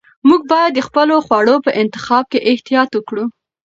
موږ باید د خپلو خوړو په انتخاب کې احتیاط وکړو.